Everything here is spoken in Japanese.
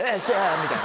みたいな。